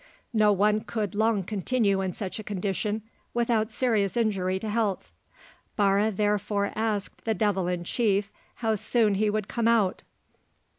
No one could long continue in such a condition without serious injury to health; Barre therefore asked the devil in chief how soon he would come out.